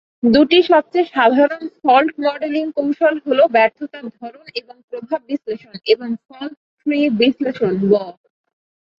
দুটি সবচেয়ে সাধারণ ফল্ট মডেলিং কৌশল হলো ব্যর্থতার ধরন এবং প্রভাব বিশ্লেষণ এবং ফল্ট ট্রি বিশ্লেষণ ব।